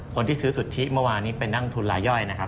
คนที่ซื้อสุทธิเมื่อวานนี้ไปนั่งทุนรายย่อยนะครับ